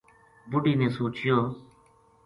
بڈھی نے سوچیو